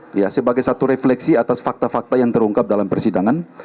tapi semua itu kami rangkum sebagai satu refleksi atas fakta fakta yang terungkap dalam persidangan